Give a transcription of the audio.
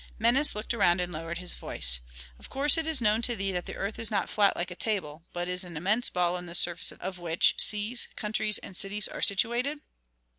Menes looked around and lowered his voice, "Of course it is known to thee that the earth is not flat like a table, but is an immense ball on the surface of which seas, countries, and cities are situated?"